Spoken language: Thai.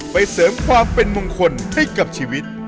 เป็นมงคลให้กับชีวิต